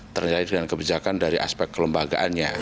terkait dengan kebijakan dari aspek kelembagaannya